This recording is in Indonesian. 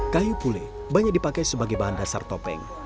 kayu pule banyak dipakai sebagai bahan dasar topeng